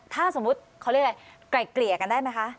ถ้าสมมุติเขาเรียกอะไรไกล่เกลี่ยกันได้ไหมคะ